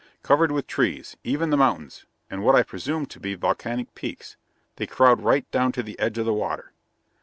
"Covered with trees, even the mountains, and what I presume to be volcanic peaks. They crowd right down to the edge of the water."